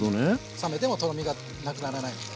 冷めてもとろみがなくならないので。